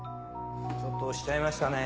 ・ちょっと押しちゃいましたね。